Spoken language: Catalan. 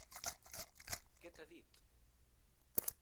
Què t'ha dit?